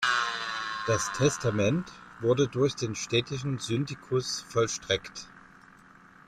Das Testament wurde durch den städtischen Syndicus vollstreckt.